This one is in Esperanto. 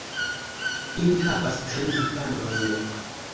Ili havas tri infanojn.